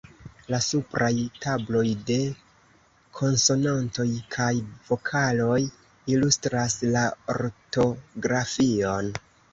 La supraj tabloj de konsonantoj kaj vokaloj ilustras la ortografion.